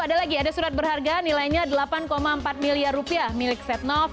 ada lagi ada surat berharga nilainya delapan empat miliar rupiah milik setnov